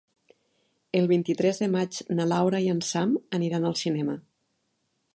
El vint-i-tres de maig na Laura i en Sam aniran al cinema.